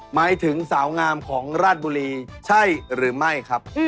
หมายถึงสาวงามของราชบุรีใช่หรือไม่ครับ